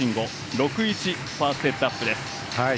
６−１ファーストセットアップです。